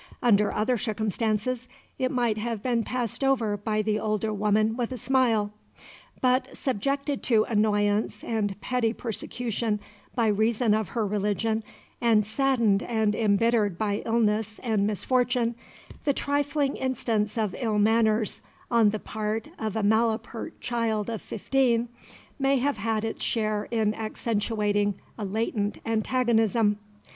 Under other circumstances, it might have been passed over by the older woman with a smile; but subjected to annoyance and petty persecution by reason of her religion and saddened and embittered by illness and misfortune, the trifling instance of ill manners on the part of a malapert child of fifteen may have had its share in accentuating a latent antagonism.